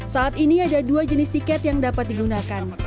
saat ini ada dua jenis tiket yang dapat digunakan